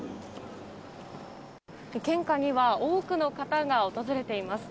献花には多くの方が訪れています。